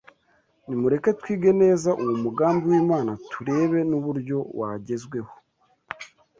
Nimureke twige neza uwo mugambi w’Imana turebe n’uburyo wagezweho